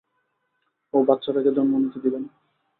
ও বাচ্চাটাকে জন্ম নিতে দেবে না!